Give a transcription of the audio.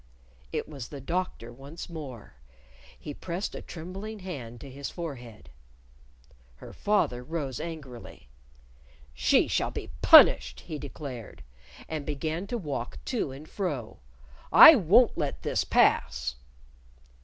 "Another!" it was the Doctor once more. He pressed a trembling hand to his forehead. Her father rose angrily. "She shall be punished," he declared. And began to walk to and fro. "I won't let this pass."